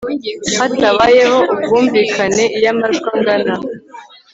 hatabayeho ubwumvikane iyo amajwi angana